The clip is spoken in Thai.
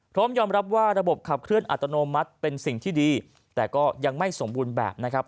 พร้อมยอมรับว่าระบบขับเคลื่อนอัตโนมัติเป็นสิ่งที่ดีแต่ก็ยังไม่สมบูรณ์แบบนะครับ